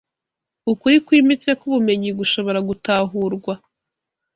ukuri kwimbitse k’ubumenyi gushobora gutahūrwa.